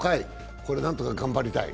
これ、何とか頑張りたい。